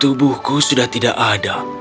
tubuhku sudah tidak ada